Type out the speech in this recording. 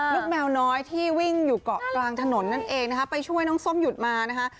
แมวน้อยที่วิ่งอยู่เกาะกลางถนนนั่นเองนะคะไปช่วยน้องส้มหยุดมานะคะ